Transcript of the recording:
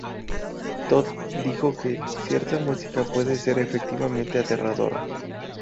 Todd dijo que "cierta música puede ser efectivamente aterradora".